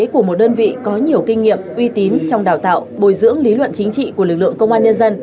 của một đơn vị có nhiều kinh nghiệm uy tín trong đào tạo bồi dưỡng lý luận chính trị của lực lượng công an nhân dân